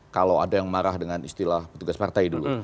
kalau ada yang marah dengan istilah petugas partai dulu